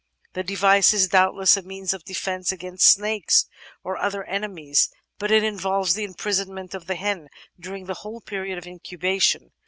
The device is doubtless a means of defence against snakes or other enemies, but it involves the imprisonment of the hen during the whole period of incubation.